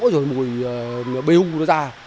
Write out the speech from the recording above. rồi mùi bê hưu nó ra